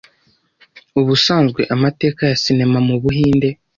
Ubusanzwe amateka ya cinema mu buhinde